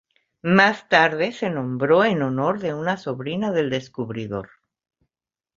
Más tarde se nombró en honor de una sobrina del descubridor.